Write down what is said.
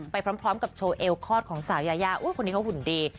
ไปพร้อมกับโชว์เอลคลอดของสาวยายาคนนี้เขาหุ่นดี